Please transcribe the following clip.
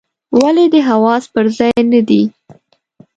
ولي دي حواس پر ځای نه دي ؟